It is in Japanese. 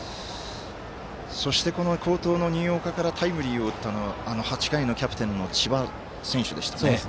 そして、好投の新岡からタイムリーを打ったのは８回のキャプテンの千葉選手でしたね。